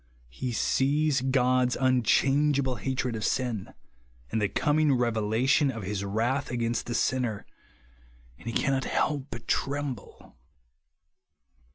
He sees God's unchangeable hatred of sin, and the coming revelation of his WTath against the sinner ; and he cannot but tremble.